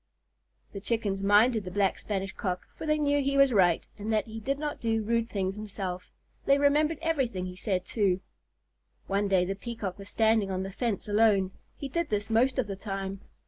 '" The Chickens minded the Black Spanish Cock, for they knew he was right and that he did not do rude things himself. They remembered everything he said, too. One day the Peacock was standing on the fence alone. He did this most of the time.